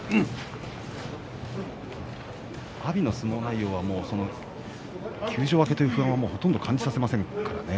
阿炎の相撲内容は休場明けという不安はほとんど感じさせませんからね。